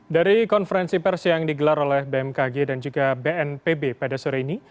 dari konferensi pers yang digelar oleh bmkg dan juga bnpb pada sore ini